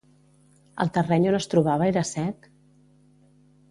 El terreny on es trobava era sec?